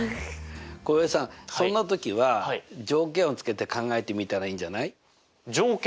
浩平さんそんな時は条件をつけて考えてみたらいいんじゃない？条件？